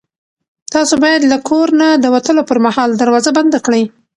تاسو باید له کور نه د وتلو پر مهال دروازه بنده کړئ.